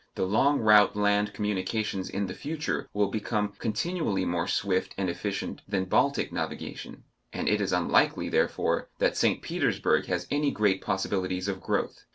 The long route land communications in the future will become continually more swift and efficient than Baltic navigation, and it is unlikely, therefore, that St. Petersburg has any great possibilities of growth.